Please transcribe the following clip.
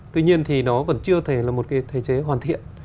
tuy nhiên thì nó vẫn chưa thể là một cái thể chế hoàn thiện